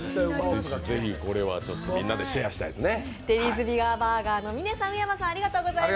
ぜひ、これはみんなでシェアしたいですね。